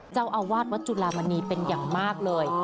เจ้าอาวาสวัดจุลามณีเป็นอย่างมากเลย